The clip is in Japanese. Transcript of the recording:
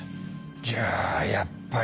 じゃあやっぱり。